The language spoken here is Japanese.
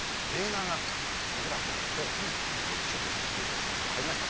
ここだと思って一生懸命勉強いたしまして入りました。